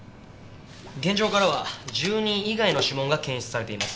現場からは住人以外の指紋が検出されています。